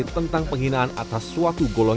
tentang penghinaan atas kesehatan